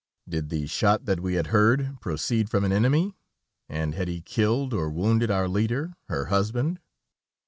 Did the shot that we had heard proceed from an enemy, and had he killed or wounded our leader, her husband?